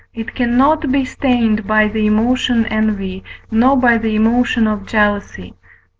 it cannot be stained by the emotion envy, nor by the emotion of jealousy (V.